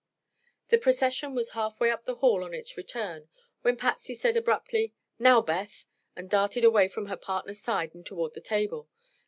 The procession was half way up the hall on its return when Patsy said abruptly: "Now, Beth!" and darted away from her partner's side and toward the table.